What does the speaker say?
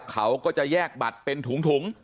เขาก็จะแยกบัตรเป็นถุง